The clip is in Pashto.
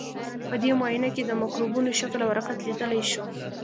په دې معاینه کې د مکروبونو شکل او حرکت لیدلای شو.